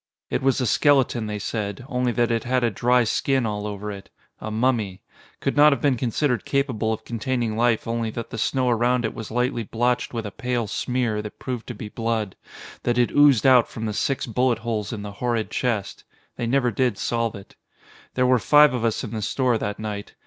It was a skeleton, they said, only that it had a dry skin all over it. A mummy. Could not have been considered capable of containing life only that the snow around it was lightly blotched with a pale smear that proved to be blood, that had oozed out from the six bullet holes in the horrid chest. They never did solve it. There were five of us in the store that night.